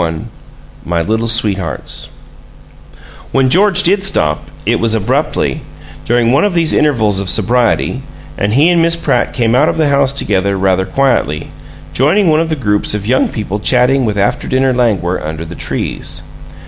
XXI MY LITTLE SWEETHEARTS When George did stop, it was abruptly, during one of these intervals of sobriety, and he and Miss Pratt came out of the house together rather quietly, joining one of the groups of young people chatting with after dinner languor under the trees.